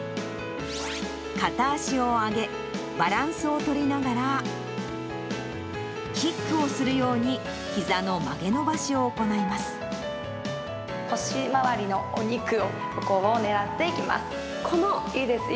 片足を上げ、バランスを取りながら、キックをするようにひざの曲げ伸ばしを行います。